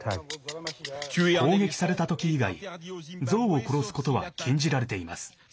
攻撃された時以外ゾウを殺すことは禁じられています。